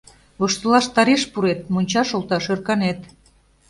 Воштылаш тареш пурет, мончаш олташ ӧрканет!..